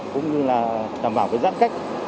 cũng như là đảm bảo cái giãn cách